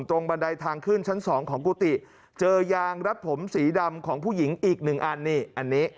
บันไดทางขึ้นชั้น๒ของกุฏิเจอยางรัดผมสีดำของผู้หญิงอีกหนึ่งอันนี่อันนี้